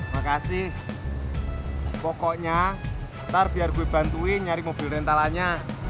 makasih pokoknya ntar biar gue bantuin nyari mobil rentalanya